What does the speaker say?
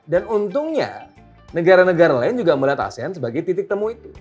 dan untungnya negara negara lain juga melihat asean sebagai titik temu itu